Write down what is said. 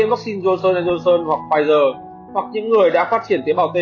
hoặc những người đã phát triển tế bào t